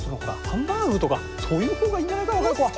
ハンバーグとかそういうほうがいいんじゃないか若い子は。